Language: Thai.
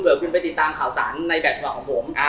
เหมือนกันไปติดตามข่าวสารในแบบสำหรับของผม